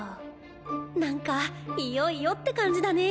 なんかいよいよって感じだね。